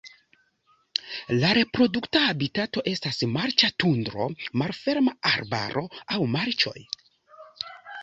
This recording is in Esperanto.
La reprodukta habitato estas marĉa tundro, malferma arbaro aŭ marĉoj.